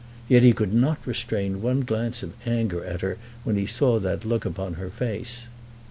Yet he could not restrain one glance of anger at her when he saw that look upon her face.